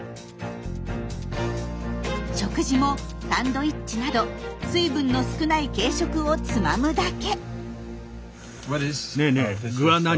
食事もサンドイッチなど水分の少ない軽食をつまむだけ。